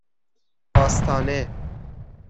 آستانه